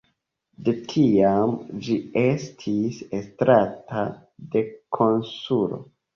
De tiam ĝi estis estrata de konsulo.